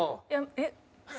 えっ。